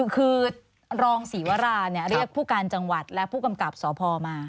คือรองศรีวราเรียกผู้การจังหวัดและผู้กำกับสพมา